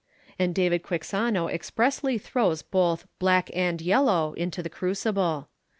And David Quixano expressly throws both "black and yellow" into the crucible.